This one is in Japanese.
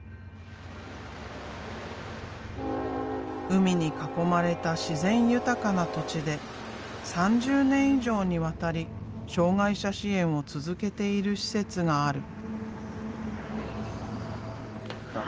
海に囲まれた自然豊かな土地で３０年以上にわたり障害者支援を続けている施設がある。